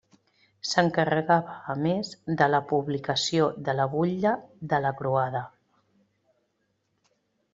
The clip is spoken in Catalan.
S'encarregava, a més, de la publicació de la butlla de la Croada.